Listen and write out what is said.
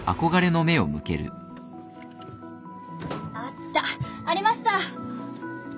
あったありました。